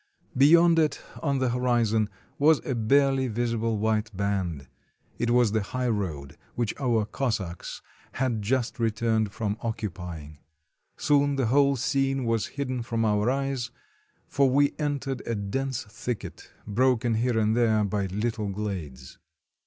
Beyond it, on the horizon, was a barely visible white band; it was the highroad which our Cos sacks had just returned from occupying. Soon the whole scene was hidden from our eyes, for we entered a dense thicket, broken here and there by little glades.